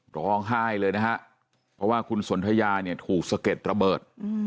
ร้องไห้เลยนะฮะเพราะว่าคุณสนทยาเนี่ยถูกสะเก็ดระเบิด